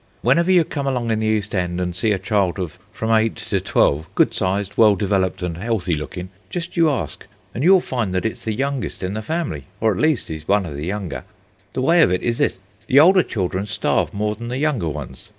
"Whenever you come along in the East End and see a child of from eight to twelve, good sized, well developed, and healthy looking, just you ask and you will find that it is the youngest in the family, or at least is one of the younger. The way of it is this: the older children starve more than the younger ones.